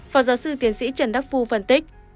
phó giáo sư tiến sĩ trần đắc phu phân tích